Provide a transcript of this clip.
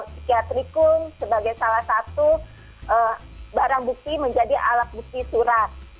psikiatrikulum sebagai salah satu barang bukti menjadi alat bukti surat